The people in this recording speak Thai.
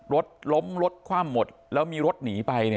รถล้มรถคว่ำหมดแล้วมีรถหนีไป